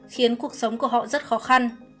khiến cuộc sống của họ rất khó khăn